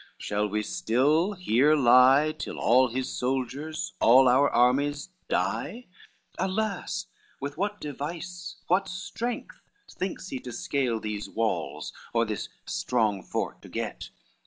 shall we still here lie Till all his soldiers, all our armies die? LXV "Alas, with what device, what strength, thinks he To scale these walls, or this strong fort to get?